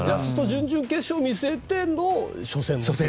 準々決勝を見据えての初戦？